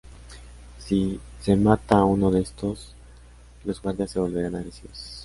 Si se mata a uno de estos, los guardias se volverán agresivos.